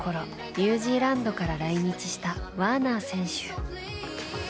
ニュージーランドから来日したワーナー選手。